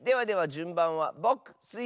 じゅんばんはぼくスイ